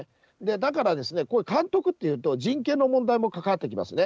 だからですね、こういう監督っていうと、人権の問題も関わってきますね。